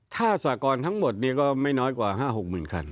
ถ้าสากรทั้งหมดก็ไม่น้อยกว่า๕๖๐๐๐คัน